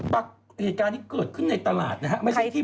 ปรักฎเหตุการณ์ที่เกิดขึ้นในตลาดนะครับ